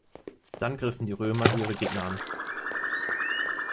Dann griffen die Römer ihre Gegner an.